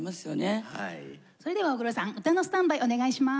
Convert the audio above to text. それでは大黒さん歌のスタンバイお願いします。